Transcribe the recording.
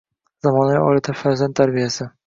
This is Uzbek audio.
Zamonaviy oilada farzand tarbiyasi